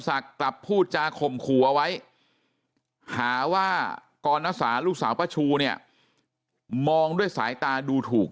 ศักดิ์ตับผู้จาข่มขัวไว้หาว่ากรณศาสตร์ลูกสาวประชูเนี่ยมองด้วยสายตาดูถูก